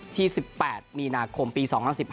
ที่๑๘มีนาคมปี๒๐๑๕